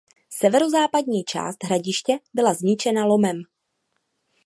Severozápadní část hradiště byla zničena lomem.